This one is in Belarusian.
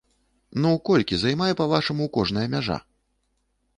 Ну, колькі займае, па-вашаму, кожная мяжа?